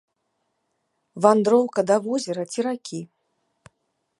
Вандроўка да возера ці ракі.